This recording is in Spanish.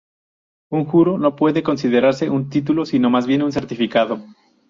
Un juro no puede considerarse un título, sino más bien un certificado.